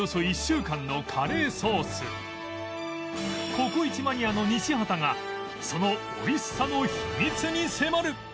ココイチマニアの西畑がそのおいしさの秘密に迫る！